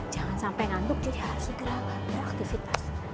jangan sampai ngantuk jadi harus segera beraktivitas